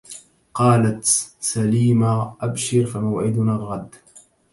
قالت سليمى ابشر فموعدنا الغد